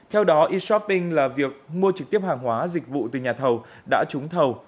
theo đó e shopping là việc mua trực tiếp hàng hóa dịch vụ từ nhà thầu đã trúng thầu